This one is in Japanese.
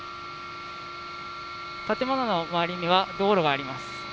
建物の周りには道路があります。